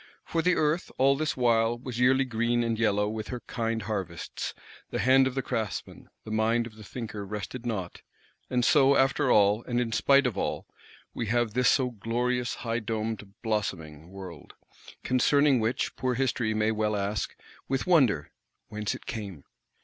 For the Earth, all this while, was yearly green and yellow with her kind harvests; the hand of the craftsman, the mind of the thinker rested not: and so, after all, and in spite of all, we have this so glorious high domed blossoming World; concerning which, poor History may well ask, with wonder, Whence it came?